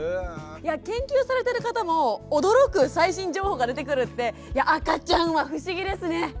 研究されてる方も驚く最新情報が出てくるって赤ちゃんは不思議ですね。